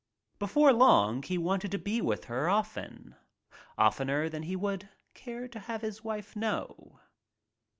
Before long he wanted to be with her often — oftener than he would care to have his wife know.